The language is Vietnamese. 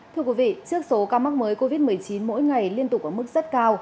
thưa quý vị trước số ca mắc mới covid một mươi chín mỗi ngày liên tục ở mức rất cao